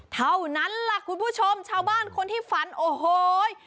เท่านั้นล่ะคุณผู้ชมชาวบ้านคนที่ฝันโอ้โห